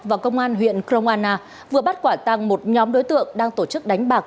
và công an huyện cromana vừa bắt quả tăng một nhóm đối tượng đang tổ chức đánh bạc